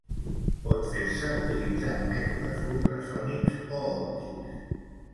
Pot fer-se utilitzant mètodes ultrasònics o òptics.